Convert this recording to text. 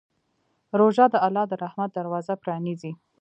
روژه د الله د رحمت دروازه پرانیزي.